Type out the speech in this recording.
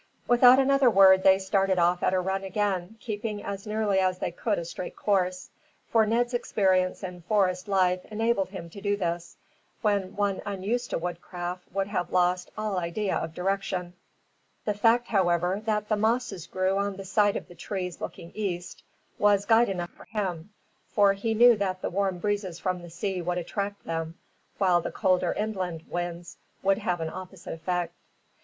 Without another word they started off at a run again, keeping as nearly as they could a straight course; for Ned's experience in forest life enabled him to do this, when one unused to woodcraft would have lost all idea of direction. The fact, however, that the mosses grew on the side of the trees looking east, was guide enough for him; for he knew that the warm breezes from the sea would attract them, while the colder inland winds would have an opposite effect.